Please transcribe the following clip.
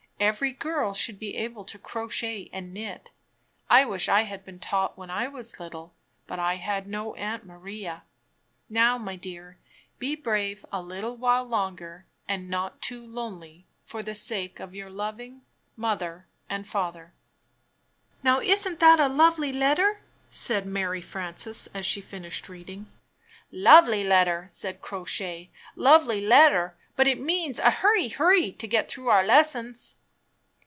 Every girl should be able to crochet and knit. I wish I had been taught when I was little — but I had no Aunt Maria. Aimt Miria. ''Dear Ylmy Yrmne^J' 192 Knitting and Crocheting Book Now, my dear, be brave a little while longer and not too lonely, for the sake of your loving Mother and Father. 'Xovely "Now, isn't that a lovely letter!" said Mary Frances, as she finished reading. "Lovely letter!" said Crow Shay. "Lovely letter, but it means a hurry hurry to get through our lessons!"